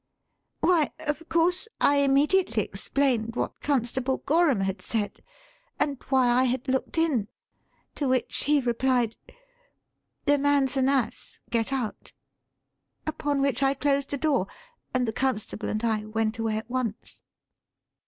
"Why, of course I immediately explained what Constable Gorham had said, and why I had looked in. To which he replied, 'The man's an ass. Get out!' Upon which I closed the door, and the constable and I went away at once."